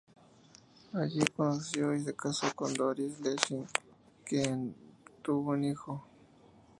Allí conoció y se casó con Doris Lessing, con quien tuvo un hijo.